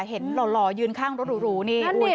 หล่อยืนข้างรถหรูนี่